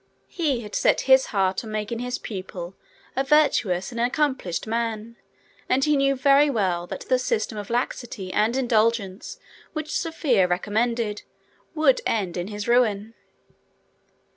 He had set his heart on making his pupil a virtuous and an accomplished man, and he knew very well that the system of laxity and indulgence which Sophia recommended would end in his ruin.